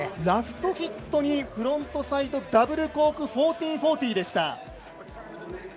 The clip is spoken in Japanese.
ラストヒットにフロントサイドダブルコーク１４４０でした。